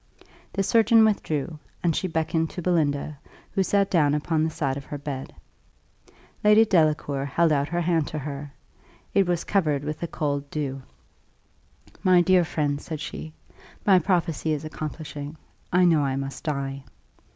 The surgeon withdrew, and she beckoned to Belinda, who sat down upon the side of her bed. Lady Delacour held out her hand to her; it was covered with a cold dew. "My dear friend," said she, "my prophecy is accomplishing I know I must die."